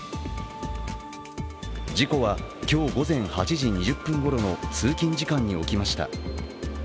事故は、今日午前８時２０分ごろの通勤時間に起きました。